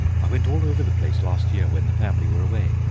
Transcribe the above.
I went all over the place last year when the family were away.